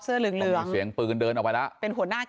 เหลืองเหลืองเสียงปืนเดินออกไปแล้วเป็นหัวหน้า